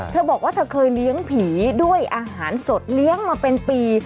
เธอบอกว่าเธอเคยเลี้ยงผีด้วยอาหารสดเลี้ยงมาเป็นปี